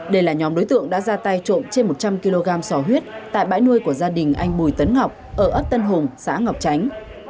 đây là nhóm đối tượng đã ra tay trộm trên một trăm linh kg sò huyết tại bãi nuôi của gia đình anh bùi tấn ngọc ở ấp tân hùng xã ngọc chánh